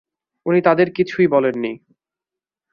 উনি তাদের কিছুই বলেননি।